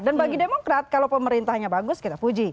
dan bagi demokrat kalau pemerintahnya bagus kita puji